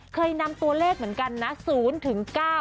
เคยนำตัวเลขเหมือนกันนะ